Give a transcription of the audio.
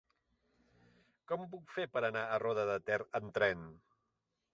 Com ho puc fer per anar a Roda de Ter amb tren?